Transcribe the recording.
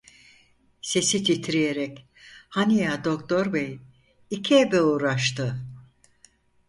Sesi titreyerek: "Hani ya doktor bey… İki ebe uğraştı…"